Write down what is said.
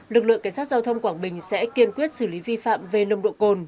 lực lượng cảnh sát giao thông quảng bình sẽ kiên quyết xử lý vi phạm về nồng độ cồn